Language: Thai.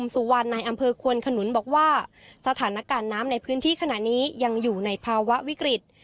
สถานการณ์น้ำในพื้นที่ขณะนี้ยังอยู่ในภาวะวิกฤติ